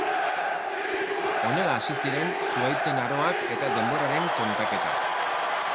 Honela hasi ziren Zuhaitzen Aroak eta denboraren kontaketa.